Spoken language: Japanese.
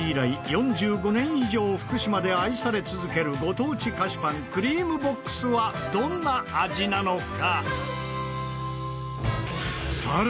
４５年以上福島で愛され続けるご当地菓子パンクリームボックスはどんな味なのか？